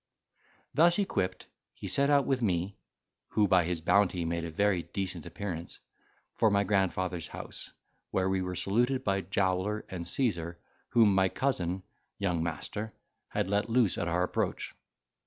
Thus equipped, he set out with me (who by his bounty made a very decent appearance) for my grandfather's house, where we were saluted by Jowler and Caesar, whom my cousin, young master, had let loose at our approach.